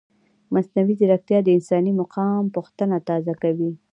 مصنوعي ځیرکتیا د انساني مقام پوښتنه تازه کوي.